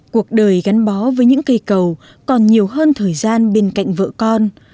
cuộc đời gắn bó với những cây cầu còn nhiều hơn thời gian bên cạnh vợ con